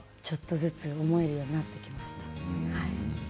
ちょっとずつ思えるようになってきました。